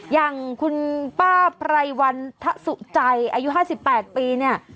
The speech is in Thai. อย่างคุณป้าไพรวันทะสุใจอายุ๕๘ปีเนี่ย